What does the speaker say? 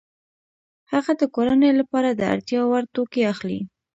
هغه د کورنۍ لپاره د اړتیا وړ توکي اخلي